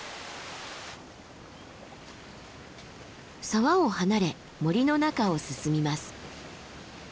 沢を離れ森の中を進みます。